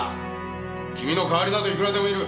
君の代わりなどいくらでもいる。